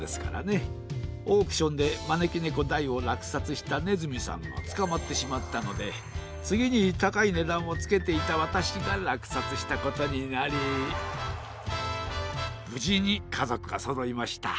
オークションでまねきねこ大をらくさつしたねずみさんがつかまってしまったのでつぎにたかいねだんをつけていたわたしがらくさつしたことになりぶじにかぞくがそろいました。